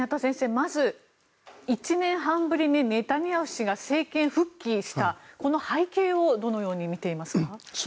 まず１年半ぶりにネタニヤフ氏が政権復帰したこの背景をどのように見ていますか？